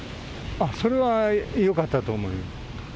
あっ、それはよかったと思います。